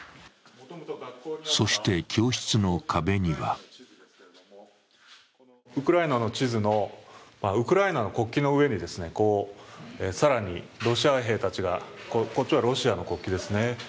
そして、教室の壁にはウクライナの地図のウクライナの国旗の上に更にロシア兵たちが、こっちはロシア国旗ですね。